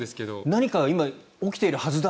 何か起きているはずだ。